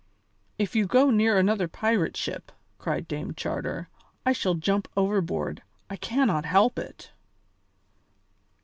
"If you go near another pirate ship," cried Dame Charter, "I shall jump overboard; I cannot help it."